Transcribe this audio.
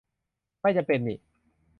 ไม่จำเป็นนิ